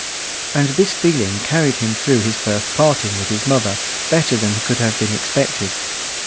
And this feeling carried him through his first parting with his mother better than could have been expected.